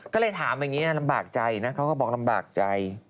ก็เลยถามอย่างนี้นะลำบากใจนะเขาก็บอกลำบากใจ